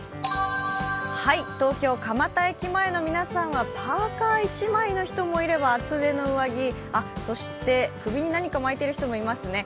東京・蒲田駅前の皆さんはパーカ１枚の人もいれば厚手の上着、そして首に何か巻いている人もいますね。